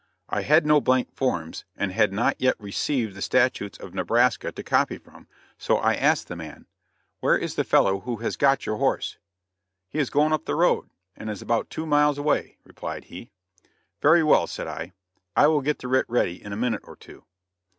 I had no blank forms, and had not yet received the statutes of Nebraska to copy from, so I asked the man: "Where is the fellow who has got your horse?" "He is going up the road, and is about two miles away," replied he. "Very well," said I, "I will get the writ ready in a minute or two."